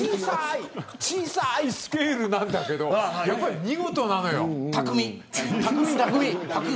小さいスケールなんだけど見事なのよ。